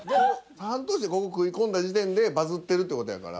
半年でここ食い込んだ時点でバズってるって事やから。